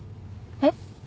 えっ？